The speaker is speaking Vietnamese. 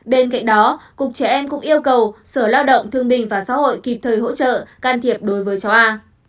bên cạnh đó cục trẻ em cũng yêu cầu sở lao động thương minh và xã hội kịp thời hỗ trợ can thiệp đối với cháu a